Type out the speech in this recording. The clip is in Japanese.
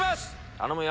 頼むよ！